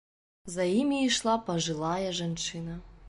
За імі ішла пажылая жанчына.